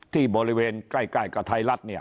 ที่บริเวณใกล้กับไทยรัฐเนี่ย